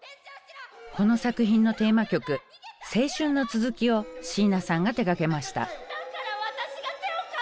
この作品のテーマ曲「青春の続き」を椎名さんが手がけました。